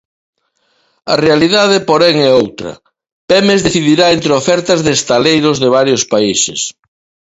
A realidade, porén, é outra: Pemex decidirá entre ofertas de estaleiros de varios países.